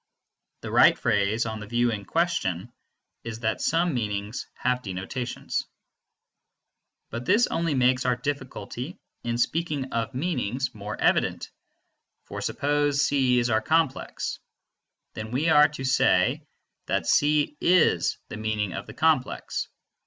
The right phrase, on the view in question, is that some meanings have denotations. But this only makes our difficulty in speaking of meanings more evident. For suppose that C is our complex; then we are to say that C is the meaning of the complex.